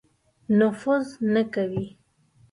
نفوذ نه کوي.